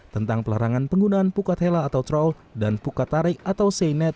tentang pelarangan penggunaan pukat hela atau troll dan pukat tarik atau senet